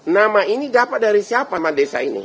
nama ini dapat dari siapa nama desa ini